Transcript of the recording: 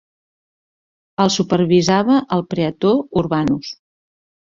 Els supervisava el praetor urbanus.